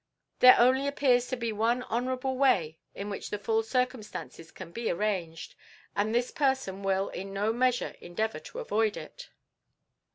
"There only appears to be one honourable way in which the full circumstances can be arranged, and this person will in no measure endeavour to avoid it."